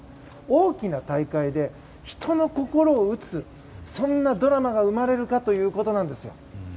大きな大会で人の心を打つそんなドラマが生まれるかということなんですよ。